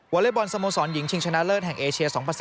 อเล็กบอลสโมสรหญิงชิงชนะเลิศแห่งเอเชีย๒๐๑๙